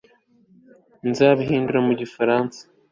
uzabihindura mu gifaransa